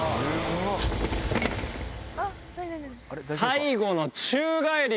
最後の宙返り。